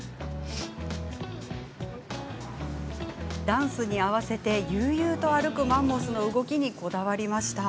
ダンスに合わせて悠々と歩くマンモスの動きにこだわりました。